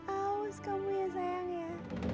aus kamu ya sayang ya